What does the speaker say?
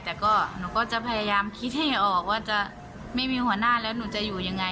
แต่ก็หนูก็จะพยายามคิดให้ออกว่าจะไม่มีหัวหน้าแล้วหนูจะอยู่ยังไง